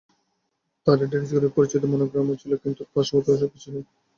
তাতে ড্যানিশ গ্রুপের পরিচিত মনোগ্রামও ছিল কিন্তু প্রশ্নপত্রে ওসব কিছু নেই।